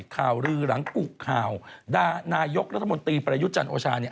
ข่าวลือหลังกุข่าวนายกรัฐมนตรีประยุทธ์จันทร์โอชาเนี่ย